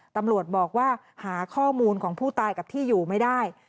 ตำรวจบอกว่าหาข้อมูลของผู้ตายกับที่อยู่ไม่ได้